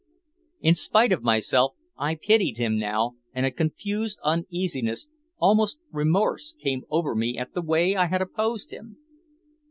In spite of myself I pitied him now, and a confused uneasiness, almost remorse, came over me at the way I had opposed him.